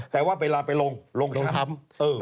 แต่ว่าเวลาไปลงลงทำ